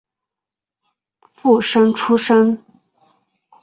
附生出身。